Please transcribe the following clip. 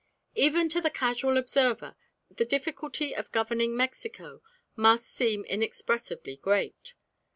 Even to the casual observer the difficulty of governing Mexico must seem inexpressibly great.